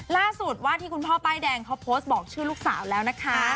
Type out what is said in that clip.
ล่าสุดว่าที่คุณพ่อป้ายแดงเขาโพสต์บอกชื่อลูกสาวแล้วนะคะ